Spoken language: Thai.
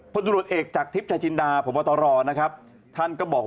ผู้ตรวจเอกจากทิพย์ชายจินดาผมว่าต่อรอนะครับท่านก็บอก